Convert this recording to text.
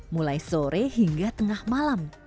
mulai sore hingga tengah malam